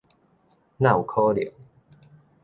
哪有可能